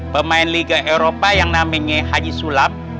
pemain liga eropa yang namanya haji sulap